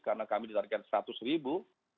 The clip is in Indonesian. karena kami ditargetkan seratus ribu